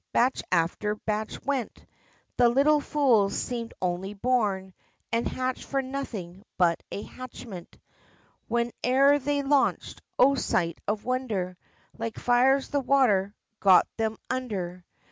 Batch after batch went! The little fools seemed only born And hatched for nothing but a hatchment! Whene'er they launched oh, sight of wonder! Like fires the water "got them under."